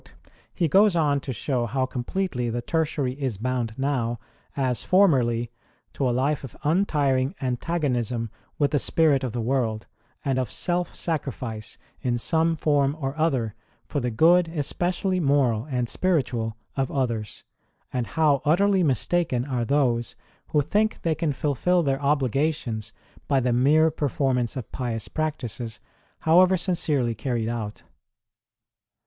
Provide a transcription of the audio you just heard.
ROSE OF LIMA he goes on to show how completely the Tertiary is bound now, as formerly, to a life of untiring antagonism with the spirit of the world, and of self sacrifice, in some form or other, for the good, especially moral and spiritual, of others ; and how utterly mistaken are those who think they can fulfil their obligations by the mere performance of pious practices, however sincerely carried out.